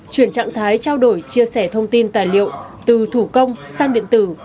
chuyển trạng thái trao đổi chia sẻ thông tin tài liệu từ thủ công sang điện tử